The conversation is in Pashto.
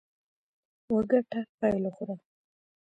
وګټه، پیل وخوره.